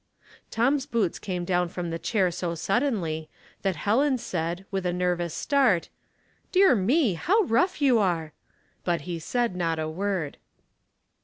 Tom's boots came down from the chair so suddenly that Helen said, with a nervous start, 336 Houseliold Puzzles, " Dear me I how rough you are I " but he said not a word.